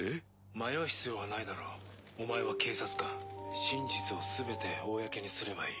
迷う必要はないだろお前は警察官真実を全て公にすればいい